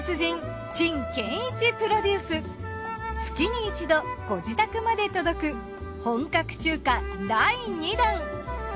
月に一度ご自宅まで届く本格中華第２弾。